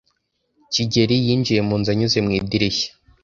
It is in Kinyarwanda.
kigeli yinjiye mu nzu anyuze mu idirishya.